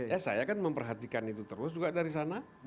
ya saya kan memperhatikan itu terus juga dari sana